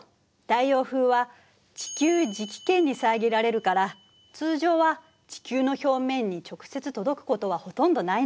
太陽風は地球磁気圏に遮られるから通常は地球の表面に直接届くことはほとんどないの。